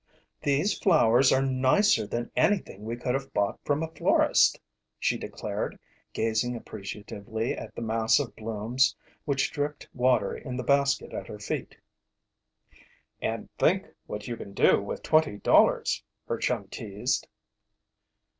"These flowers are nicer than anything we could have bought from a florist," she declared, gazing appreciatively at the mass of blooms which dripped water in the basket at her feet. "And think what you can do with twenty dollars!" her chum teased.